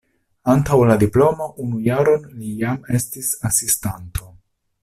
Antaŭ la diplomo unu jaron li jam estis asistanto.